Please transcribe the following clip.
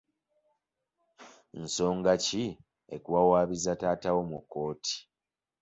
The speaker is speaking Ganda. Nsonga ki ekuwaabizza taata wo mu kkooti?